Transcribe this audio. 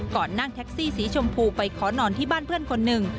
ก่อนนั่งแท็กซี่สีชมพูไปขอนอนที่บ้านเพื่อนคนหนึ่ง